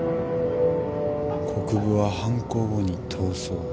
国府は犯行後に逃走。